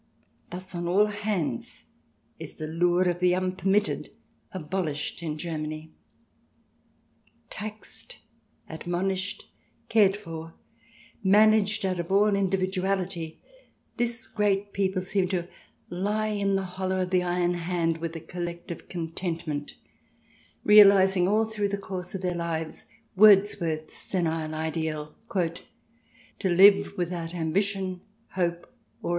Thus on all hands is the lure of the unpermitted abolished in Germany. Taxed, admonished, cared for, managed out of all individuality, this great people seem to lie in the hollow of the iron hand with a collective content ment, realizing all through the course of their lives Wordsworth's senile ideal "to live without 54 THE DESIRABLE ALIEN [ch.